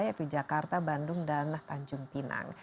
yaitu jakarta bandung dan tanjung pinang